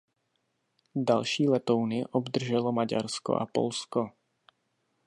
Další letouny obdrželo Maďarsko a Polsko.